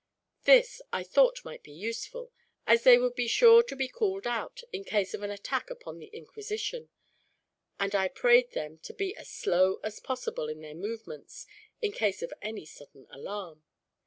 This I thought might be useful, as they would be sure to be called out, in case of an attack upon the Inquisition; and I prayed them to be as slow as possible in their movements, in case of any sudden alarm.